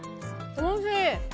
おいしい！